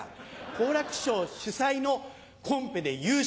好楽師匠主催のコンペで優勝。